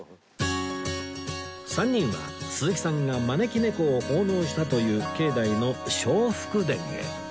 ３人は鈴木さんが招き猫を奉納したという境内の招福殿へ